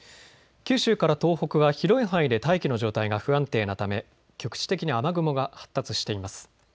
九州から東北は広い範囲で大気の状態が不安定なため局地的に雨雲が発達しています。